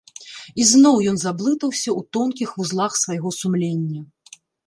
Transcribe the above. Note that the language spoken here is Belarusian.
І зноў ён заблытаўся ў тонкіх вузлах свайго сумлення.